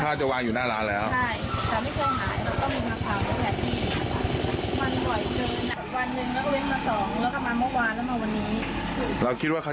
มันไม่ได้เยอะหรอกแปลว่ามันเป็นอะไรที่เคยสวา